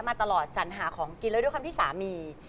มาตลอดสัญหาของกินแล้วด้วยความที่สามี